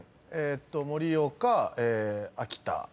「盛岡・秋田」